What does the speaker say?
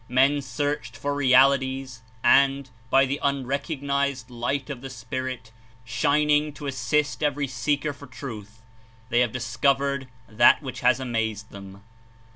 Men searched for realities and, by the un recognized light of the Spirit shining to assist every 31 .seeker for truth, they have discovered that which has amazed them.